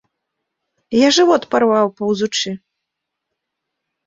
Я жывот парваў паўзучы.